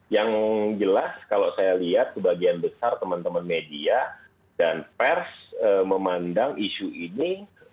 yang jelas kalau saya lihat sebagian besar teman teman media dan pers memandang isu ini